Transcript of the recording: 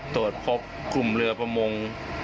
ตรวจพบกลุ่มเรือประมง